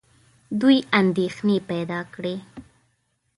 دوی اندېښنې پیدا کړې.